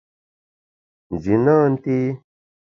Nji nâ nté.